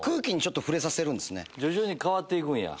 徐々に変わって行くんや。